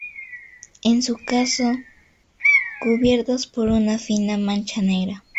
En su caso, cubiertas por una fina mancha negra.